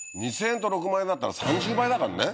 ２０００円と６万円だったら３０倍だからね。